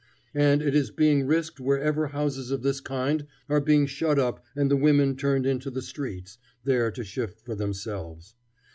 And it is being risked wherever houses of this kind are being shut up and the women turned into the streets, there to shift for themselves.